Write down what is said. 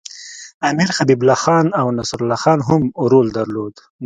امیر حبیب الله خان او نصرالله خان هم رول درلود.